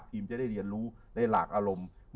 พีมจะได้เรียนรู้ในหลักอารมณ์